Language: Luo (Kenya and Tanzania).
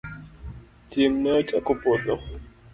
Chieng' ne ochako podho .